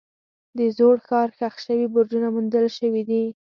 د زوړ ښار ښخ شوي برجونه موندل شوي دي.